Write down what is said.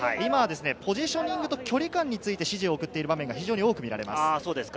ポジショニングと距離感について指示を送っている場面が多く見られます。